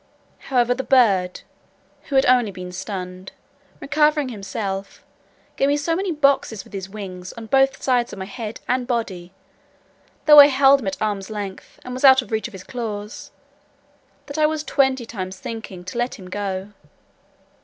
However, the bird, who had only been stunned, recovering himself gave me so many boxes with his wings, on both sides of my head and body, though I held him at arm's length, and was out of the reach of his claws, that I was twenty times thinking to let him go.